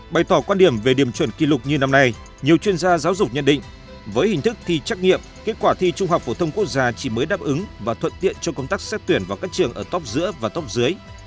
bày tỏ quan điểm về điểm chuẩn kỷ lục như năm nay nhiều chuyên gia giáo dục nhận định với hình thức thi trắc nghiệm kết quả thi trung học phổ thông quốc gia chỉ mới đáp ứng và thuận tiện cho công tác xét tuyển vào các trường ở tóc giữa và tốc dưới